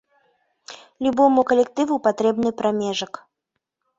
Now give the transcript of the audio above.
Любому калектыву патрэбны прамежак.